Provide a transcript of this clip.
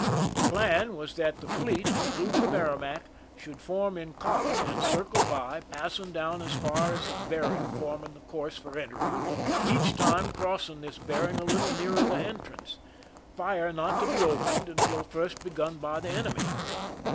The plan was /' that the fleet, including the MerrmaCj should form I in column and circle by, passing down as far as the ( bearing forming the course for entering, each time I crossing this bearing a little nearer the entrance, I fire not to be opened unless first begun by the enemy.